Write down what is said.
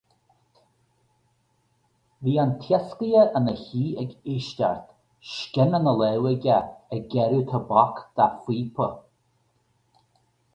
Bhí an t-iascaire ina shuí ag éisteacht, scian ina láimh aige ag gearradh tobac dá phíopa.